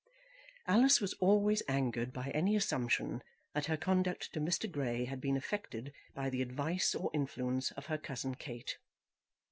Alice was always angered by any assumption that her conduct to Mr. Grey had been affected by the advice or influence of her cousin Kate.